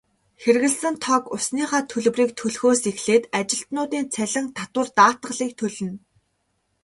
Хэрэглэсэн тог, усныхаа төлбөрийг төлөхөөс эхлээд ажилтнуудын цалин, татвар, даатгалыг төлнө.